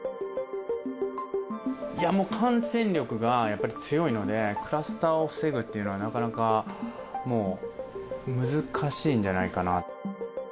いや、もう感染力がやっぱり強いので、クラスターを防ぐというのはなかなかもう、難しいんじゃないかな。